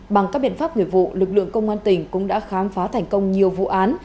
bằng các biện pháp nghiệp vụ lực lượng công an tỉnh cũng đã khám phá thành công nhiều vụ án